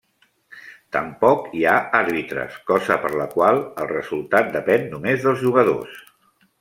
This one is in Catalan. Tampoc hi ha àrbitres, cosa per la qual el resultat depèn només dels jugadors.